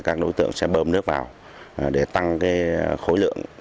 các đối tượng sẽ bơm nước vào để tăng khối lượng